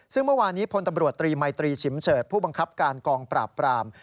ซึ่งเมื่อวานี้พลตำรวจตรีมัยตรีฉิมเฉิดผู้บังคับการกองปราบปราม